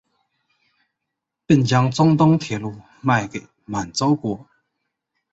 并将中东铁路卖给满洲国。